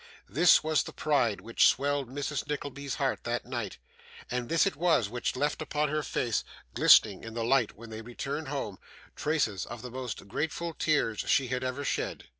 This was the pride which swelled Mrs. Nickleby's heart that night, and this it was which left upon her face, glistening in the light when they returned home, traces of the most grateful tears she had ever shed.